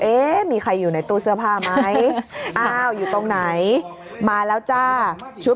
เอ๊ะมีใครอยู่ในตู้เสื้อผ้าไหมอ้าวอยู่ตรงไหนมาแล้วจ้าชุด